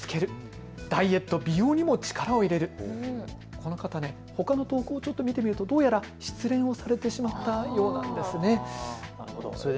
この方、ほかの投稿をちょっと見てみるとどうやら失恋をされてしまったようなんです。